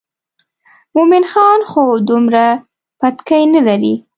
مومن خان خو دومره بتکۍ نه لري.